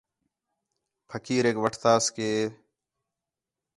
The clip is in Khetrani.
پھقیریک وٹھتاس کہ